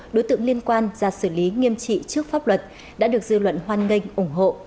đối tượng liên quan ra xử lý nghiêm trị trước pháp luật đã được dư luận hoan nghênh ủng hộ